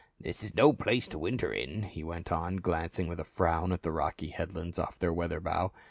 "This is no place to winter in," he went on, glancing with a frown at the rocky headlands off their weather bow.